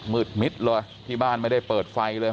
มิดเลยที่บ้านไม่ได้เปิดไฟเลย